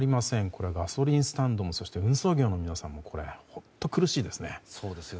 これ、ガソリンスタンドも運送業の皆さんも本当に苦しいですね。